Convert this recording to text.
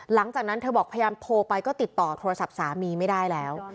หลังจากนั้นเธอบอกพยายามโทรไปก็ติดต่อโทรศัพท์สามีไม่ได้แล้ว